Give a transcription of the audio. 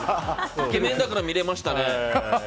イケメンだから見れましたね。